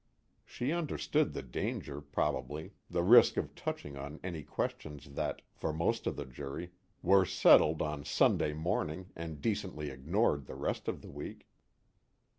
She understood the danger, probably, the risk of touching on any questions that, for most of the jury, were settled on Sunday morning and decently ignored the rest of the week.